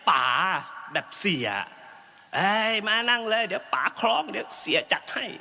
ป่าแบบเสียเอ้ยมานั่งเลยเดี๋ยวป่าคล้องเดี๋ยวเสียจัดให้